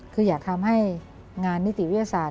คืออยากทำให้งานนิติวิทยาศาสต